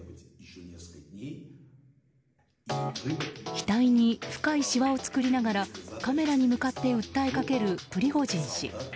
額に深いしわを作りながらカメラに向かって訴えかけるプリゴジン氏。